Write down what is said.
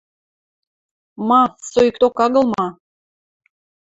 Ма, соикток агыл ма?